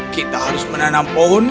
kita harus menanam pohon